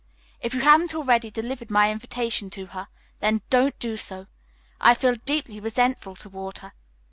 If you haven't already delivered my invitation to her, then don't do so. I feel deeply resentful toward her.